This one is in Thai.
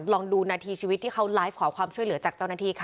ลองดูนาทีชีวิตที่เขาไลฟ์ขอความช่วยเหลือจากเจ้าหน้าที่ค่ะ